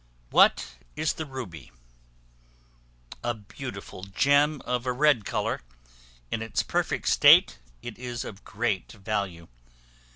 What is the Ruby? A beautiful gem of a red color; in its perfect state it is of great value.